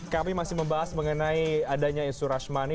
kami masih membahas mengenai adanya isu rashmani